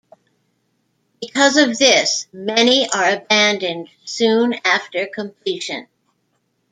Because of this, many are abandoned soon after completion.